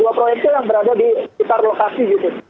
dua proyek sil yang berada di sekitar lokasi